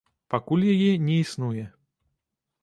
Пакуль яе не існуе.